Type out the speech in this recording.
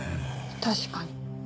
確かに。